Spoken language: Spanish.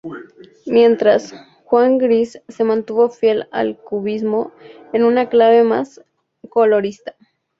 Mientras, Juan Gris se mantuvo fiel al cubismo en una clave más colorista.